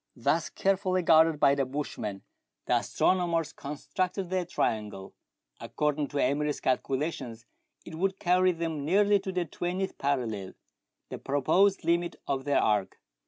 Thus carefully guarded by the bushman, the astronomers constructed their triangle. According to Emery's calcula tions it would carry them nearly to the twentieth parallel, the proposed limit of their arc.